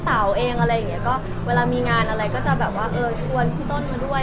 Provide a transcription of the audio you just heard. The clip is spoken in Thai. แต่ว่าเวลามีงานอะไรก็ชวนพี่ต้นมาด้วย